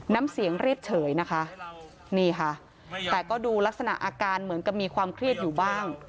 น้ำเสียงเรียบเฉยนะคะนี่ค่ะแต่ก็ดูลักษณะอาการเหมือนกับมีความเครียดอยู่บ้าง